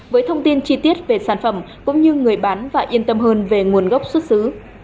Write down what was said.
với thông tin chi tiết về sản phẩm cũng như người bán và yên tâm hơn về nguồn gốc xuất xứ